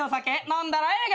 飲んだらええ